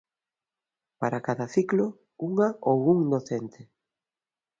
Para cada ciclo, unha ou un docente.